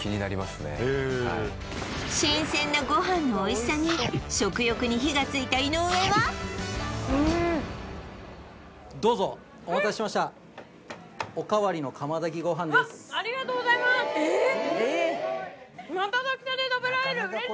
新鮮なご飯のおいしさに食欲に火がついた井上はうんどうぞお待たせしましたうわありがとうございますえっ？